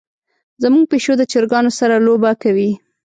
زمونږ پیشو د چرګانو سره لوبه کوي.